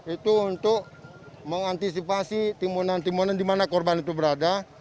itu untuk mengantisipasi timbunan timbunan di mana korban itu berada